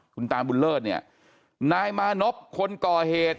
คุณตาบุญเลิศเนี่ยนายมานพคนก่อเหตุ